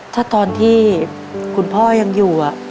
ถ้าตอนที่คุณพ่อยังอยู่